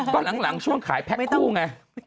ก็หลังช่วงขายแพ็คคู่ไง